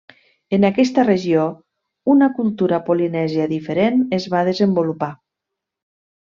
En aquesta regió, una cultura polinèsia diferent es va desenvolupar.